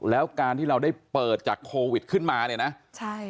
แล้วการที่เราได้เปิดจากโควิดขึ้นมาเนี่ยนะใช่